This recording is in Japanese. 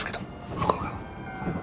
向こう側。